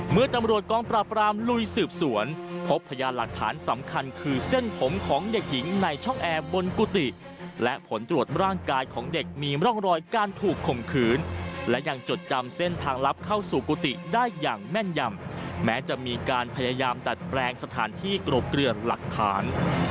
เมื่อตำรวจกองปราบรามลุยสืบสวนพบพยานหลักฐานสำคัญคือเส้นผมของเด็กหญิงในช่องแอร์บนกุฏิและผลตรวจร่างกายของเด็กมีร่องรอยการถูกข่มขืนและยังจดจำเส้นทางลับเข้าสู่กุฏิได้อย่างแม่นยำแม้จะมีการพยายามดัดแปลงสถานที่กรบเกลือหลักฐาน